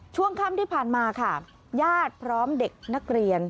ช่วงค่ำที่ผ่านมาค่ะญาติพร้อมเด็กนักเรียน